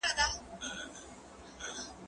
کېدای سي ځواب لنډ وي!؟